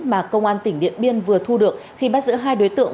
mà công an tỉnh điện biên vừa thu được khi bắt giữ hai đối tượng